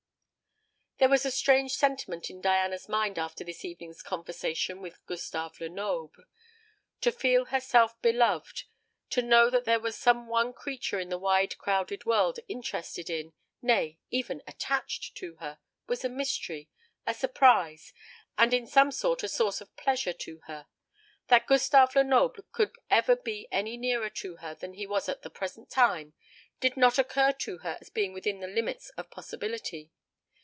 There was a strange sentiment in Diana's mind after this evening's conversation with Gustave Lenoble. To feel herself beloved, to know that there was some one creature in the wide crowded world interested in, nay, even attached to her, was a mystery, a surprise, and in some sort a source of pleasure to her. That Gustave Lenoble could ever be any nearer to her than he was at the present time did not occur to her as being within the limits of possibility.